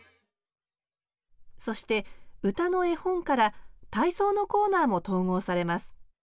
そして「うたのえほん」から体操のコーナーも統合されます